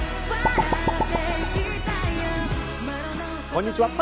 こんにちは。